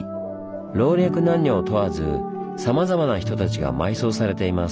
老若男女を問わずさまざまな人たちが埋葬されています。